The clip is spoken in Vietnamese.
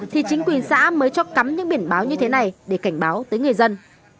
thì chính quyền xã mới cho cắm những biển báo như thế này để cảnh báo tới người dân